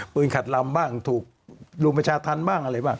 ขัดลำบ้างถูกรุมประชาธรรมบ้างอะไรบ้าง